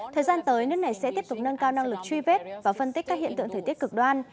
thời gian tới nước này sẽ tiếp tục nâng cao năng lực truy vết và phân tích các hiện tượng thời tiết cực đoan